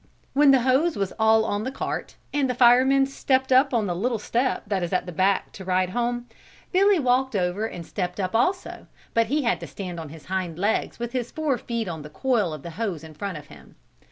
When the hose was all on the cart and the firemen stepped up on the little step that is at the back to ride home, Billy walked over and stepped up also but he had to stand on his hind legs with his fore feet on the coil of hose in front of him.